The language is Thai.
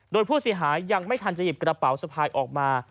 โดยผู้เสียหายยังไม่ทันจะหยิบกระเป๋าสะพายออกมา